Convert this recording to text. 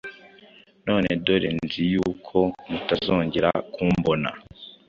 None dore, nzi yuko mutazongera kumbona,